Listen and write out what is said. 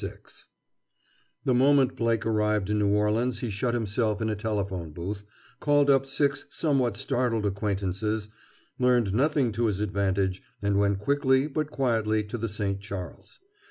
VI The moment Blake arrived in New Orleans he shut himself in a telephone booth, called up six somewhat startled acquaintances, learned nothing to his advantage, and went quickly but quietly to the St. Charles.